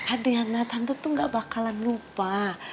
adriana tante tuh gak bakalan lupa